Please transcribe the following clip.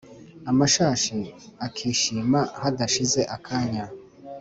Amashashi akishima Hadashize akanya